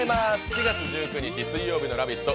４月１９日水曜日の「ラヴィット！」